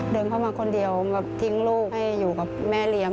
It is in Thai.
เดินเข้ามาคนเดียวแบบทิ้งลูกให้อยู่กับแม่เลี้ยง